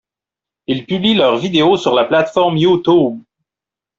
Ils publient leurs vidéos sur la plateforme YouTube.